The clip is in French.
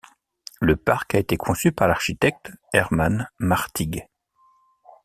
Le parc a été conçu par l'architecte Hermann Mächtig.